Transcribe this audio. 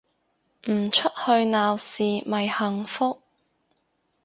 唔出去鬧事咪幸福